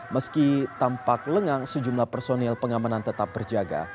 meski tampak lengang sejumlah personil pengamanan tetap berjaga